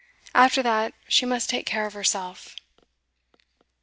After that she must take care of herself.